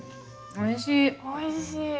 おいしい。